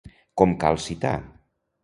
Com cal citar?